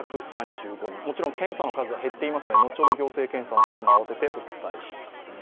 もちろん検査の数は減っていますので、後ほど行政検査の数もあわせてお伝えします。